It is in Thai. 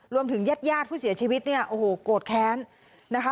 รวมถึงแยดผู้เสียชีวิตเนี่ยโอ้โหโกรธแค้นนะคะ